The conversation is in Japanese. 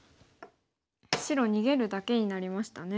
白逃げるだけになりましたね。